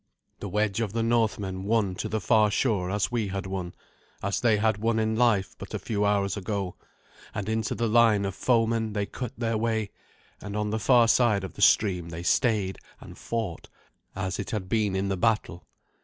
The wedge of the Northmen won to the far shore as we had won as they had won in life but a few hours ago and into the line of foemen they cut their way, and on the far side of the stream they stayed and fought, as it had been in the battle.